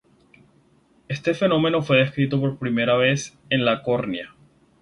Este fenómeno fue descrito por primera vez en la córnea.